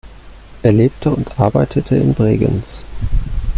Er lebte und arbeitete in Bregenz.